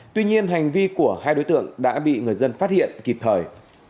tuy nhiên hành vi của hai đối tượng đã bị người dân phát hiện kịp thời